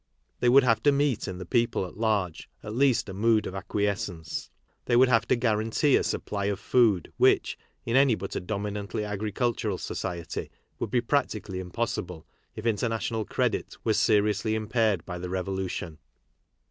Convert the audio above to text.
They would have to meet in the people at large at least a mood of acquies cence. They would have to guarantee a supply of food, which, in any but a dominantly agricultural society, would be practically impossible if international credit was seriously impaired by the revolution.